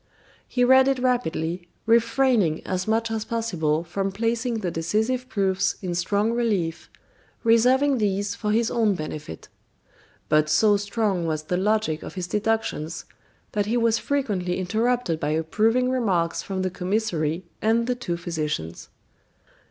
He read it rapidly, refraining as much as possible from placing the decisive proofs in strong relief, reserving these for his own benefit; but so strong was the logic of his deductions that he was frequently interrupted by approving remarks from the commissary and the two physicians.